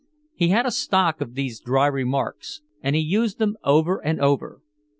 He had a stock of these dry remarks and he used them over and over.